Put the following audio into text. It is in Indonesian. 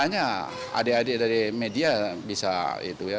hanya adik adik dari media bisa itu ya